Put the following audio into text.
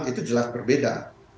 itu jelas berbeda